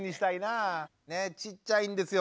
ちっちゃいんですよ